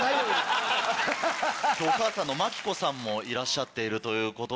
お母さんのマキコさんもいらっしゃっているということで。